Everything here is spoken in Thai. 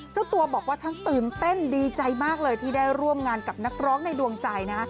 เจ้าตัวบอกว่าทั้งตื่นเต้นดีใจมากเลยที่ได้ร่วมงานกับนักร้องในดวงใจนะ